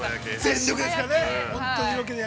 全力ですからね。